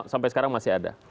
sampai sekarang masih ada